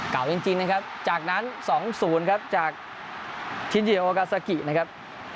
เก่าจริงนะครับจากนั้น๒๐ครับจากชินเดียโอกาซากินะครับ